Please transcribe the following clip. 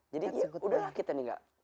jadi ya udahlah kita nih